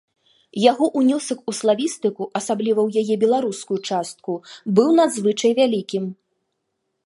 Яго ўнёсак у славістыку, асабліва ў яе беларускую частку, быў надзвычай вялікім.